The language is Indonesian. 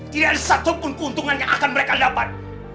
tidak ada satupun keuntungan yang akan mereka dapat